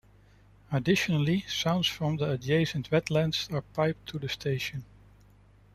Additionally, sounds from the adjacent wetlands are piped to the station.